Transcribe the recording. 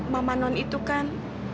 mama non itu kan